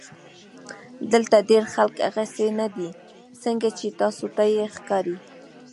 دلته ډېر خلک هغسې نۀ دي څنګه چې تاسو ته ښکاري